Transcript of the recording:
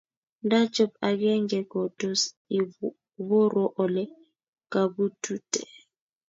ndachop agenge ko tos iborwo ole kabutute